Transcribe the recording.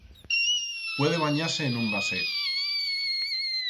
Puede banyar-se en un vaset.